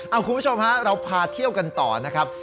คุณผู้ชมฮะเราพาเที่ยวกันต่อนะครับ